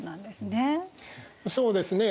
そうですね。